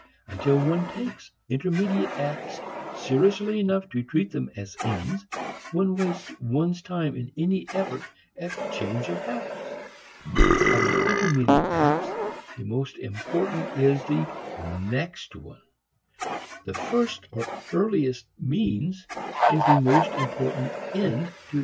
Until one takes intermediate acts seriously enough to treat them as ends, one wastes one's time in any effort at change of habits. Of the intermediate acts, the most important is the next one. The first or earliest means is the most important end to discover.